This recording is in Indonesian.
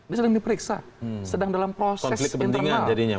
ini sedang diperiksa sedang dalam proses internal